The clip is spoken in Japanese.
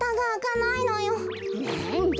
なんだ。